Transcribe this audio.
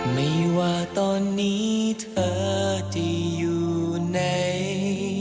ไม่ว่าตอนนี้เธอจะอยู่ไหน